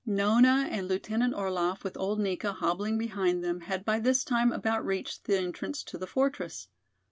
Nona and Lieutenant Orlaff with old Nika hobbling behind them had by this time about reached the entrance to the fortress.